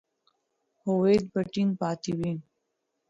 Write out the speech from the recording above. هویت به ټینګ پاتې وي.